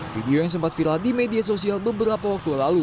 video yang sempat viral di media sosial beberapa waktu lalu